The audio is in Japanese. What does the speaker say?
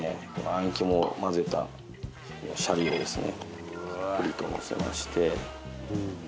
あん肝を混ぜたしゃりをですねたっぷりとのせまして。